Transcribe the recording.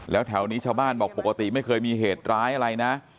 แล้วแถวนี้ชาวบ้านบอกปกติไม่เคยมีเหตุร้ายอะไรนะ